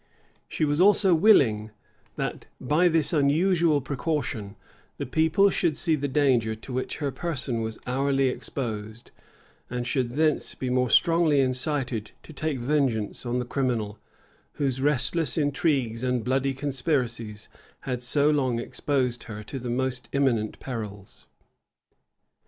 She was also willing, that, by this unusual precaution, the people should see the danger to which her person was hourly exposed; and should thence be more strongly incited to take vengeance on the criminal, whose restless intrigues and bloody conspiracies had so long exposed her to the most imminent perils.